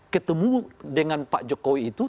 ketemu dengan pak jokowi itu